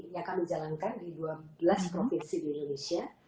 yang kami jalankan di dua belas provinsi di indonesia